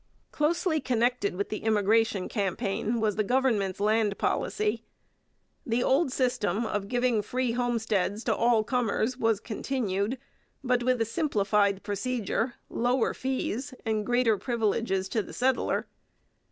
Closely connected with the immigration campaign was the Government's land policy. The old system of giving free homesteads to all comers was continued, but with a simplified procedure, lower fees, and greater privileges to the settler.